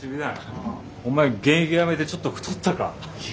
お前現役やめてちょっと太ったか？